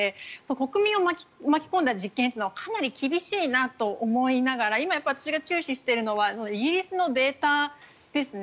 国民を巻き込んだ実験というのはかなり厳しいなと思いながら今、私が注視しているのはイギリスのデータですね。